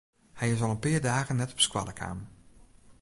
Hy is al in pear dagen net op skoalle kaam.